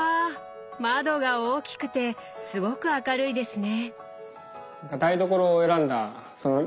窓が大きくてすごく明るいですね。